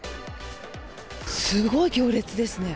すごい行列ですね。